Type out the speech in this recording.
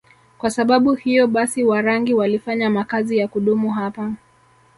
Kwa sababu hiyo basi Warangi walifanya makazi ya kudumu hapa